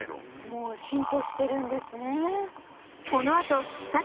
もう進歩してるんですね。